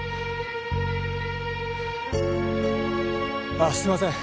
ああすいません。